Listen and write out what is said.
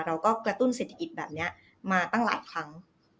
เราก็กระตุ้นเศรษฐกิจแบบนี้มาตั้งหลายครั้ง